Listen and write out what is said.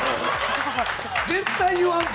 絶対言わんぞ。